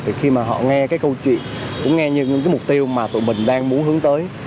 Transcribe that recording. thì khi mà họ nghe cái câu chuyện cũng nghe như những cái mục tiêu mà tụi mình đang muốn hướng tới